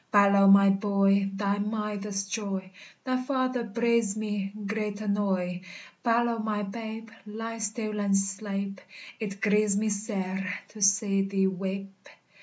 Balow, my boy, thy mither's joy! Thy father breides me great annoy. _Balow, my 'babe, ly stil and sleipe! It grieves me sair to see thee weipe.